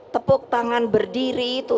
tepuk tangan berdiri itu